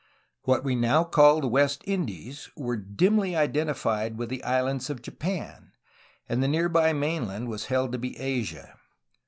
What we now call the West Indies were dimly identi fied with the islands of Japan, and the near by main land was held to be Asia.